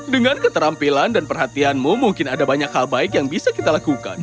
dengan keterampilan dan perhatianmu mungkin ada banyak hal baik yang bisa kita lakukan